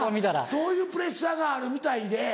そういうプレッシャーがあるみたいで。